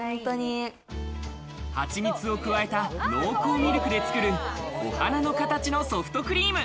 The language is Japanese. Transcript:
蜂蜜を加えた濃厚ミルクで作るお花の形のソフトクリーム。